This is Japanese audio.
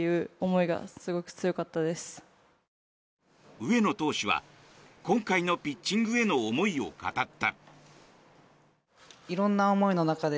上野投手は今回のピッチングへの思いを語った。